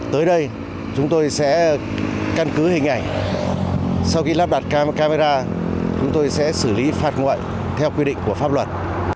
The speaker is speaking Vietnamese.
tới đây chúng tôi sẽ căn cứ hình ảnh sau khi lắp đặt camera chúng tôi sẽ xử lý phạt nguội theo quy định của pháp luật